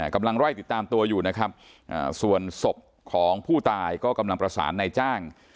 กำลังไล่ติดตามตัวอยู่นะครับส่วนศพของผู้ตายก็กำลังประสานในจ้าง